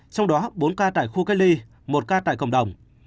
trong đó bốn ca tại khu cách ly một ca tại cộng đồng